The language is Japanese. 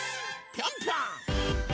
ぴょんぴょん！